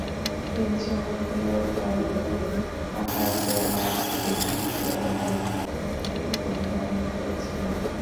তিনি চৌম্বকীয় কয়েলগুলি আকার দেওয়ার একটি ব্যবহারিক পদ্ধতির উদ্ভাবন করেছিলেন।